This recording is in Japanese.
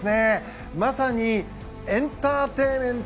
まさにエンターテインメント。